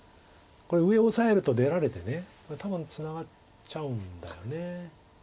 これ上オサえると出られてこれ多分ツナがっちゃうんだよね。